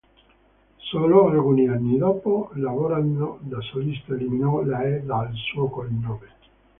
Solo alcuni anni dopo, lavorando da solista, eliminò la "e" dal suo cognome.